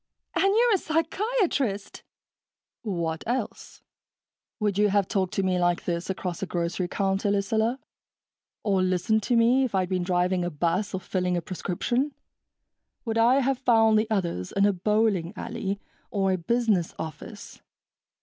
"And you're a psychiatrist!" "What else? Would you have talked to me like this across a grocery counter, Lucilla? Or listened to me, if I'd been driving a bus or filling a prescription? Would I have found the others in a bowling alley or a business office?"